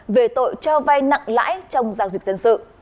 về tội cho vay nặng lãi trong giao dịch dân sự